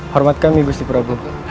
harmat kami busti prabu